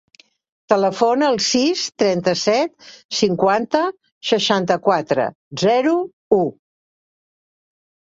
Telefona al sis, trenta-set, cinquanta, seixanta-quatre, zero, u.